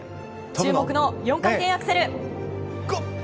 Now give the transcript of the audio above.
注目の４回転アクセル。